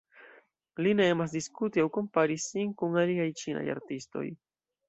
Li ne emas diskuti aŭ kompari sin kun aliaj ĉinaj artistoj.